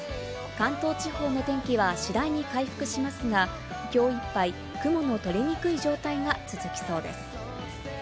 関東地方の天気は次第に回復しますが、きょういっぱい雲の取れにくい状態が続きそうです。